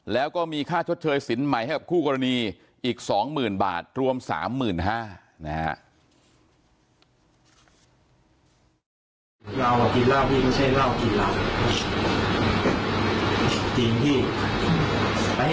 แล้วก็มีค่าชดเชยสินใหม่ให้กับคู่กรณีอีก๒๐๐๐บาทรวม๓๕๐๐นะฮะ